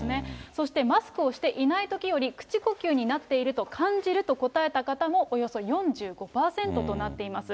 そして、マスクをしていないときより口呼吸になっていると感じると答えた方もおよそ４５％となっています。